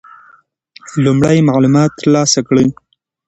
لومړی معلومات ترلاسه کړئ.